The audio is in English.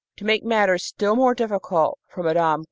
To make matters still more difficult for Mme.